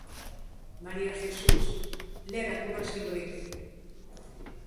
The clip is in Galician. María Jesús: Ler a Curros Enríquez.